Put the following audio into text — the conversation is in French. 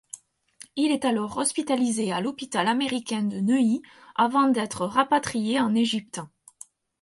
Il est alors hospitalisé à l'hôpital américain de Neuilly avant d'être rapatrié en Égypte.